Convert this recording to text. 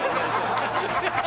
ハハハハ！